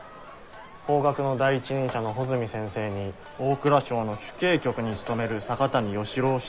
法学の第一人者の穂積先生に大蔵省の主計局に勤める阪谷芳郎氏ときている。